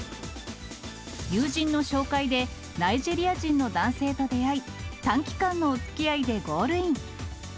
友人の紹介で、ナイジェリア人の男性と出会い、短期間のおつきあいでゴールイン。